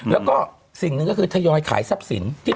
แล้วก็สิ่งหนึ่งก็คือทยอยขายทรัพย์สิน